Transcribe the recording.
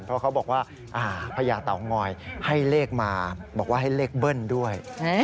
เพราะเขาบอกว่าพญาเต่างอยให้เลขมาบอกว่าให้เลขเบิ้ลด้วย